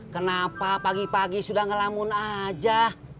kenapa pagi pagi sudah ngelamun aja